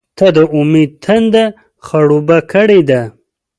• ته د امید تنده خړوبه کړې ده.